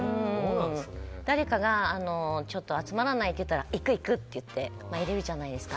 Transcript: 誰かが集まらない？って言ったら行く行く！って言って行くじゃないですか。